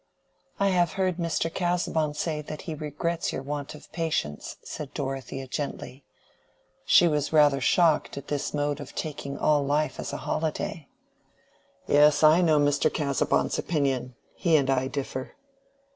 "I have heard Mr. Casaubon say that he regrets your want of patience," said Dorothea, gently. She was rather shocked at this mode of taking all life as a holiday. "Yes, I know Mr. Casaubon's opinion. He and I differ."